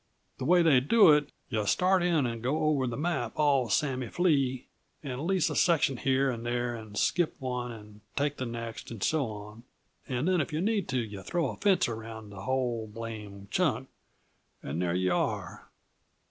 "The way they do it, yuh start in and go over the map all samee flea; yuh lease a section here and there and skip one and take the next, and so on, and then if yuh need to yuh throw a fence around the whole blame chunk and there yuh are.